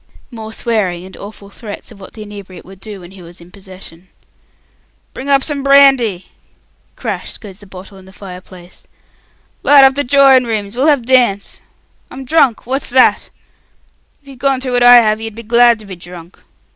More swearing, and awful threats of what the inebriate would do when he was in possession. "Bring up some brandy!" Crash goes the bottle in the fire place. "Light up the droring rooms; we'll have dance! I'm drunk! What's that? If you'd gone through what I have, you'd be glad to be drunk.